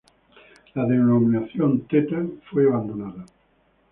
La denominación "Theta" fue abandonada.